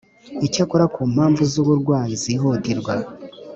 Icyakora ku mpamvu z uburwayi zihutirwa